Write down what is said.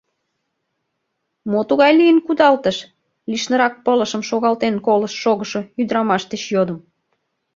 — Мо тугай лийын кудалтыш? — лишнырак пылышым шогалтен колышт шогышо ӱдырамаш деч йодым.